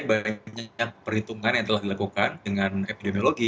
banyak perhitungan yang telah dilakukan dengan epidemiologi